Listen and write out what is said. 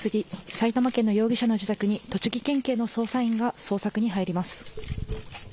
埼玉県の容疑者の自宅に栃木県警の捜査員が捜索に入ります。